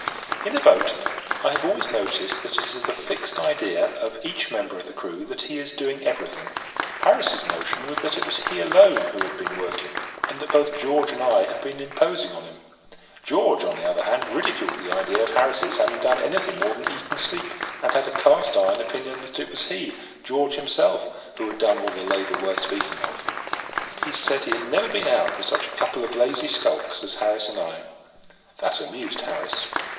In a boat, I have always noticed that it is the fixed idea of each member of the crew that he is doing everything. Harris's notion was, that it was he alone who had been working, and that both George and I had been imposing upon him. George, on the other hand, ridiculed the idea of Harris's having done anything more than eat and sleep, and had a cast iron opinion that it was he—George himself—who had done all the labour worth speaking of. He said he had never been out with such a couple of lazily skulks as Harris and I. That amused Harris.